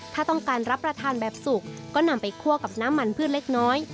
ถ้าต้องการรับประทานแบบสุกก็นำไปคั่วกับน้ำมันพืชเล็กน้อย